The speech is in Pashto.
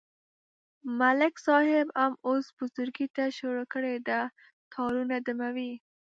ملک صاحب هم اوس بزرگی ته شروع کړې ده، تارونه دموي.